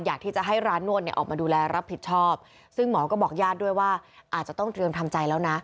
อยากที่จะให้ร้านนวดเนี่ยออกมาดูแลรับผิดชอบซึ่งหมอก็บอกญาติด้วยว่าอาจจะต้องเตรียมทำใจแล้วนะ